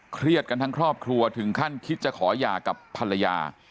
เครียดกันทั้งครอบครัวถึงขั้นคิดจะขอหย่ากับภรรยา